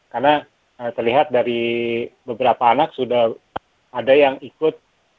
karena terlihat dari beberapa anak sudah ada yang ikut